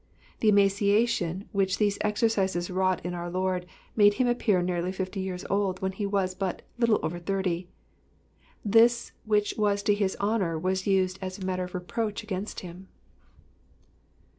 The emaciation which these exercises wrought in our Lord made him appear nearly fifty years old when he was but little over thirty ; this . which was to his honour was used as a matter of reproach against him.